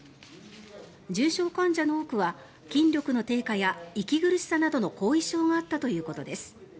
重症患者の多くは筋力の低下や息苦しさなどの後遺症があったということです。